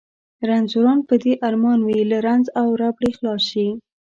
رنځوران په دې ارمان وي له رنځ او ربړې خلاص شي.